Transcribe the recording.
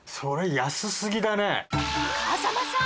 風間さん